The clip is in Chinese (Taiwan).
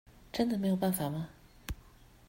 真的沒有辦法嗎？